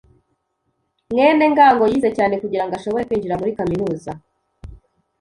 mwene ngango yize cyane kugirango ashobore kwinjira muri kaminuza.